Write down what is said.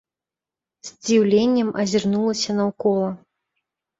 З здзіўленнем азірнулася наўкола.